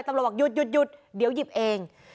ตำรวจบอกหยุดหยุดหยุดเดี๋ยวหยิบเอง